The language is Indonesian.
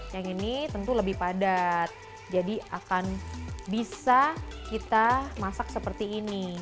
yang ini tentu lebih padat jadi akan bisa kita masak seperti ini